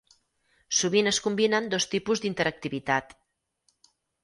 Sovint es combinen dos tipus d'interactivitat.